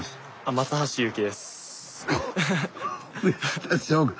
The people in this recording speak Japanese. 松橋優希です。